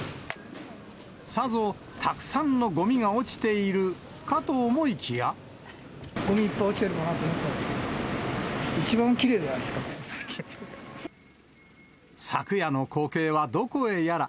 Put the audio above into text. さぞたくさんのごみが落ちてごみ、いっぱい落ちてるかなと思ったんですけど、一番きれいじゃないで昨夜の光景はどこへやら。